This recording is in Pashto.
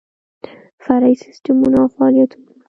فرعي سیسټمونه او فعالیتونه